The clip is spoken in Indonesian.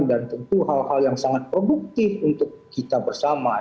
dan tentu hal hal yang sangat produktif untuk kita bersama